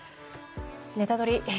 「ネタドリ！」